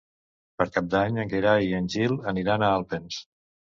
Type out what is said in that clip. Per Cap d'Any en Gerai i en Gil aniran a Alpens.